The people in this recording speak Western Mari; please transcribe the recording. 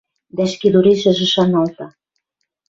Дӓ ӹшкедурешӹжӹ шаналта: